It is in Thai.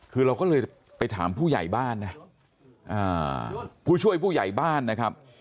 คือเราก็เลยไปถามผู้ใหญ่บ้านนะผู้ช่วยผู้ใหญ่บ้านนะครับ